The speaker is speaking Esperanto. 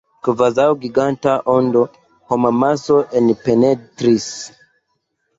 Kvazaŭ giganta ondo, homamaso enpenetris.